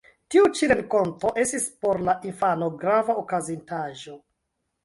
Tiu ĉi renkonto estis por la infano grava okazintaĵo.